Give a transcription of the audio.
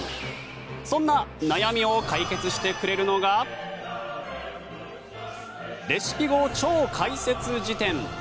そんな悩みを解決してくれるのがレシピ語超解説辞典。